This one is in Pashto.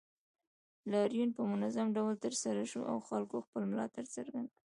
لاریون په منظم ډول ترسره شو او خلکو خپل ملاتړ څرګند کړ